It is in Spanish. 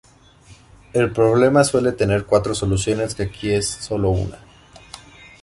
El problema suele tener cuatro soluciones que aquí es sólo una.